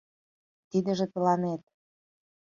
Тидыже тыланет.